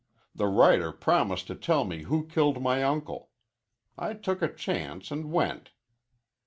The writer promised to tell me who killed my uncle. I took a chance an' went."